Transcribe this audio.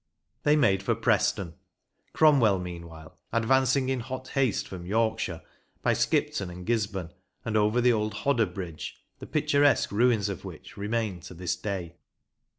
They made for Preston, Cromwell meanwhile advancing in hot haste from Yorkshire by Skipton and Gisburn and over the old Hodder Bridge, the picturesque ruins of which remain to this day.